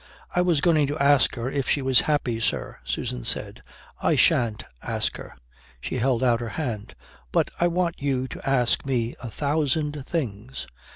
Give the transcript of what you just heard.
"I was going to ask her if she was happy, sir," Susan said. "I shan't ask her." She held out her hand. "But I want you to ask me a thousand things."